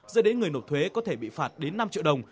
dẫn đến người nộp thuế có thể bị phạt đến năm triệu đồng